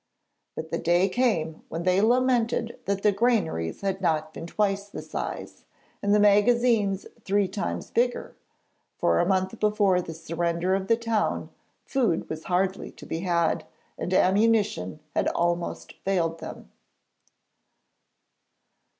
But the day came when they lamented that the granaries had not been twice the size, and the magazines three times bigger, for a month before the surrender of the town food was hardly to be had, and ammunition had almost failed them.